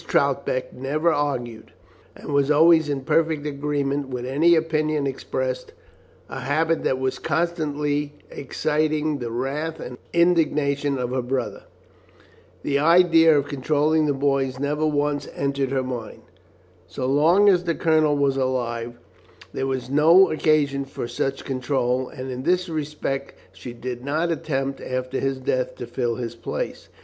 Troutbeck never argued, and was always in perfect agreement with any opinion expressed, a habit that was constantly exciting the wrath and indignation of her brother. The idea of controlling the boys never once entered her mind. So long as the Colonel was alive there was no occasion for such control, and in this respect she did not attempt after his death to fill his place.